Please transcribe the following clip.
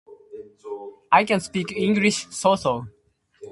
I can speak English so so.